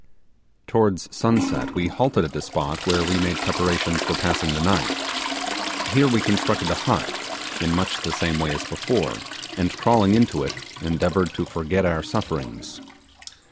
Towards sunset we halted at a spot where we made preparations for passing the night. Here we constructed a hut, in much the same way as before, and crawling into it, endeavoured to forget our sufferings.